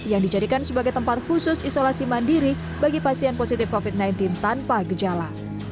yang dijadikan sebagai tempat khusus isolasi mandiri bagi pasien positif covid sembilan belas tanpa gejala